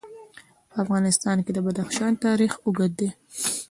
په افغانستان کې د بدخشان تاریخ اوږد دی.